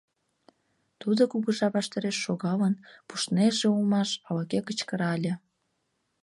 — Тудо кугыжа ваштареш шогалын, пуштнеже улмаш! — ала-кӧ кычкырале.